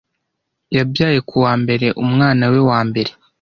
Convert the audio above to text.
Yabyaye ku wa mbere umwana we wa mbere.